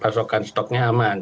pasokan stoknya aman